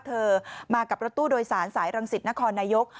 เธอมากับรถตู้โดยสารสายรังสิตนครนายก